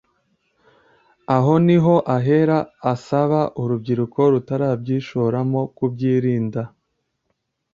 Aho ni ho ahera asaba urubyiruko rutarabyishoramo kubyirinda